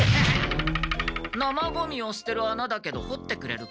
生ゴミをすてる穴だけど掘ってくれるか？